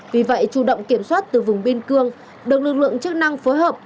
vì vậy chủ động kiểm soát từ vùng biên cương được lực lượng chức năng phối hợp